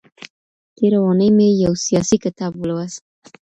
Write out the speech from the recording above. تېره اونۍ مي يو سياسي کتاب ولوست.